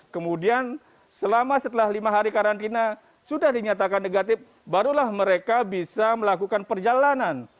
kemudian selama setelah lima hari karantina sudah dinyatakan negatif barulah mereka bisa melakukan perjalanan